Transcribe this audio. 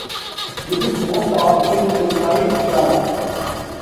This is most obvious when tied flat.